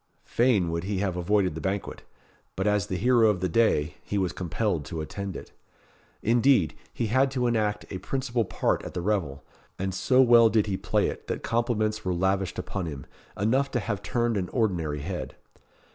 Fain would he have avoided the banquet but as the hero of the day, he was compelled to attend it. Indeed, he had to enact a principal part at the revel; and so well did he play it that compliments were lavished upon him, enough to have turned an ordinary head.